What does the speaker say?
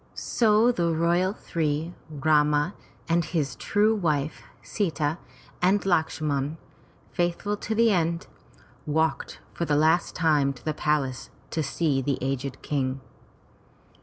So the royal three, Rama, and his true wife, Sita, and Lakshman, faithful to the end, walked for the last time to the palace, to see the aged King.